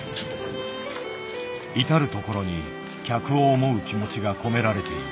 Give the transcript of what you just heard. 至る所に客を思う気持ちが込められている。